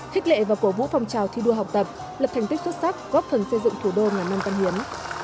khích lệ và cổ vũ phong trào thi đua học tập lập thành tích xuất sắc góp phần xây dựng thủ đô ngàn năm tân hiến